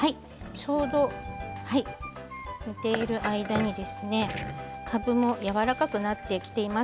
ちょうど、かぶもやわらかくなってきています。